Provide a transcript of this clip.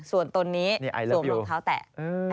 ส่วนตนนี้สวมรองเท้าแตะ